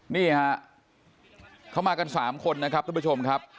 นี่ฮะเขามากัน๓คนนะครับทุกผู้ชมครับ